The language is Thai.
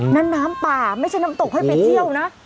น้ำป่าไม่ใช่น้ำตกให้ไปเที่ยวนะ